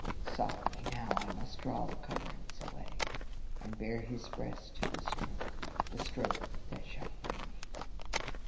Softly now; I must draw the heavy coverings away, and bare his breast to the stroke, the stroke that shall free me.